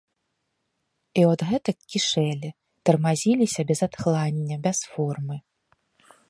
І от гэтак кішэлі, тармазіліся без адхлання, без формы.